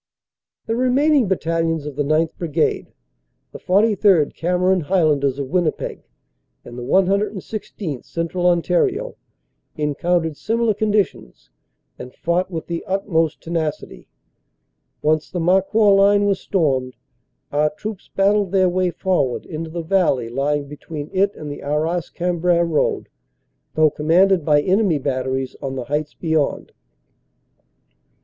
The remaining battalions of the 9th. Brigade, the 43rd., 17 242 CANADA S HUNDRED DAYS Cameron Highlanders of Winnipeg, and the 116th., Central Ontario, encountered similar conditions and fought with the utmost tenacity. Once the Marcoing line was stormed, our troops battled their way forward into the valley lying between it and the Arras Cambrai road, though commanded by enemy batteries on the heights beyond.